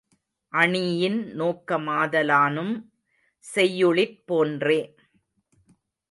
அணியின் நோக்கமாதலானும், செய்யுளிற் போன்றே